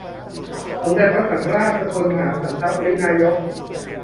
สมเด็จพระสังฆราช สกลมหาสังฆปริณายก